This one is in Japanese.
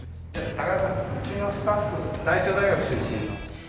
高田さんうちのスタッフ大正大学出身の。